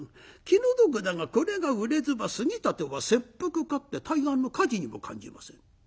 「気の毒だがこれが売れずば杉立は切腹か」って「対岸の火事」にも感じません。